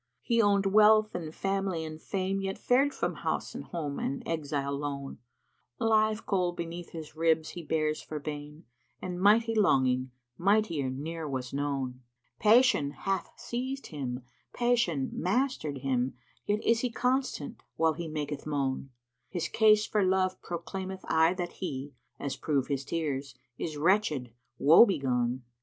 He ownčd wealth and family and fame * Yet fared from house and home an exile lone: Live coal beneath his[FN#80] ribs he bears for bane, * And mighty longing, mightier ne'er was known: Passion hath seized him, Passion mastered him; * Yet is he constant while he maketh moan: His case for Love proclaimeth aye that he, * (As prove his tears) is wretched, woebegone."